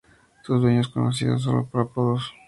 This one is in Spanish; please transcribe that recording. Sus dueños son conocidos solo por apodos.